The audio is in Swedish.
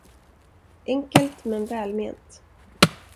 Enkelt, men välment!